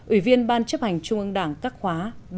ủy viên ban chấp hành trung ương đảng các khóa ba bốn năm sáu bảy tám